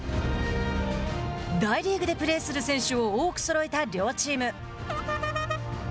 大リーグでプレーする選手を多くそろえた両チーム。